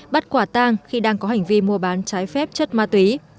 bắt quả tang khi đang có hành vi mua bán trái phép chất ma túy